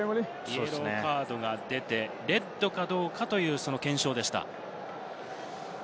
イエローカードが出て、レッドかどうかという検証でした。